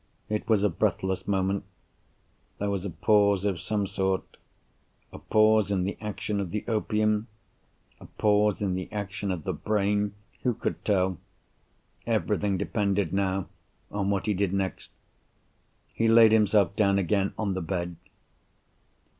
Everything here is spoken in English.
It was a breathless moment. There was a pause of some sort. A pause in the action of the opium? a pause in the action of the brain? Who could tell? Everything depended, now, on what he did next. He laid himself down again on the bed!